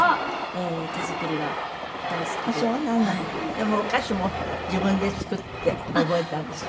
でもお菓子も自分で作って覚えたんですって？